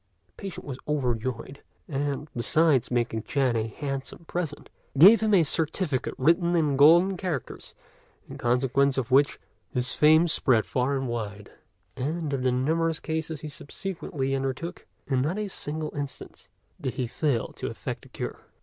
The patient was overjoyed; and, besides making Chang a handsome present, gave him a certificate written in golden characters, in consequence of which his fame spread far and wide; and of the numerous cases he subsequently undertook, in not a single instance did he fail to effect a cure.